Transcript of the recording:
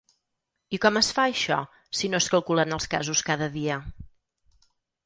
I com es fa això, si no es calculen els casos cada dia?